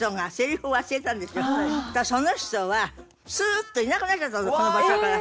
その人がスーッといなくなっちゃったのその場所から。